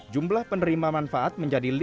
jumlah penerima manfaat menjadi lima dua juta